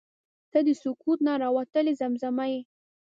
• ته د سکوت نه راوتلې زمزمه یې.